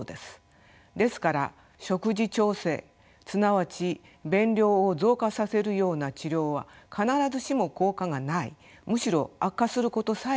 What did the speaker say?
ですから食事調整すなわち便量を増加させるような治療は必ずしも効果がないむしろ悪化することさえあります。